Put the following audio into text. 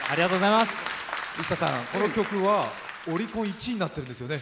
この曲はオリコン１位になってるんですよね。